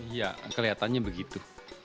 iya kelihatannya begitu